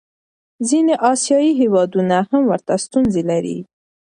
ځینې آسیایي هېوادونه هم ورته ستونزې لري.